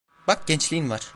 Bak gençliğin var.